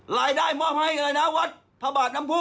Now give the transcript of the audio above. รายได้มากมายอย่างไรนะวัสด์พระบาทนำพุ